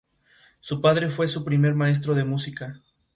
Está situado en la Plaza del Obradoiro de Santiago de Compostela.